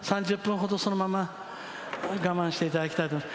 ３０分ほど、そのまま我慢していただきたいと。